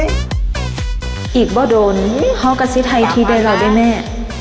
มีไหมหนูค่ะไหวอ่ะแก